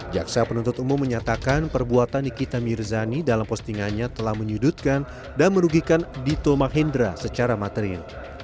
jaksa penuntut umum menyatakan perbuatan nikita mirzani dalam postingannya telah menyudutkan dan merugikan dito mahendra secara material